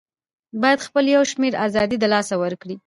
بايد خپل يو شمېر آزادۍ د لاسه ورکړي